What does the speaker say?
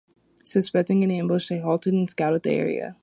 Suspecting an ambush, they halted and scouted the area.